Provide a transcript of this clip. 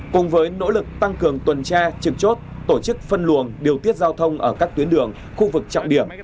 cùng với nỗ lực tăng cường tuần tra trực chốt tổ chức phân luồng điều tiết giao thông ở các tuyến đường khu vực trọng điểm